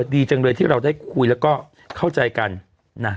ได้คุยแล้วก็เข้าใจกัน